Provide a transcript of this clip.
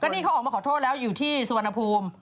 ก็นี่เขาออกมาขอโทษอยู่ที่สวรรพูม